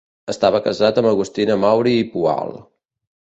Estava casat amb Agustina Mauri i Poal.